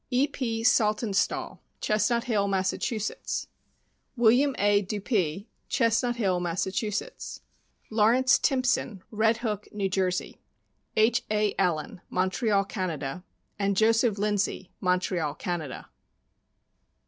E. P. Saltonstall, Chestnut Hill, Mass.; William A. Dupee, Chestnut Hill, Mass.; Lawrence Timpson, Red Hook, N. J.; H. A. Allan, Mon treal, Canada, and Joseph Lindsay, Montreal, Canada.